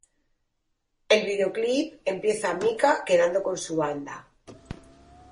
El videoclip empieza Mika quedando con su banda.